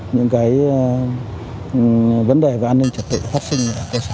những cái vấn đề về an ninh trật tự phát sinh ở cơ sở